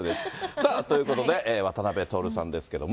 さあということで、渡辺徹さんですけれども。